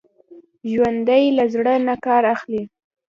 ژوندي له زړه نه کار اخلي